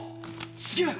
すげえ！